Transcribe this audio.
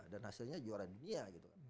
dan hasilnya juara dunia gitu kan